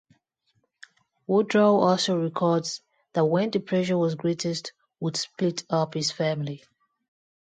Wodrow also records that when the pressure was greatest would split up his family.